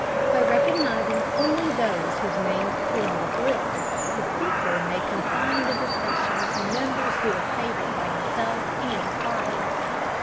By recognizing only those whose names appear on this list, the Speaker may confine the discussion to members who are favored by himself and his party.